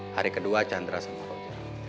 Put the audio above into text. hari kedua chandra semua roja